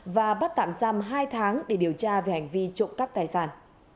và bắt tạm giam hai tháng để điều tra về hành vi trộm cắp tài sản